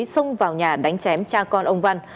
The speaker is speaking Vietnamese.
xông vào nhà đánh chém cha con ông văn